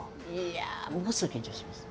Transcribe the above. いやものすごく緊張します。